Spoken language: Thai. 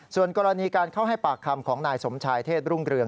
ส่วนกรณีการเข้าให้ปากคำของนายสมชายเทพรุ่งเรือง